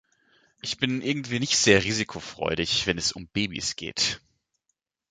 Ich bin irgendwie nicht sehr risikofreudig, wenn es um Babys geht.